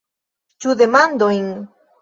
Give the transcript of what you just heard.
Ĉu demandojn?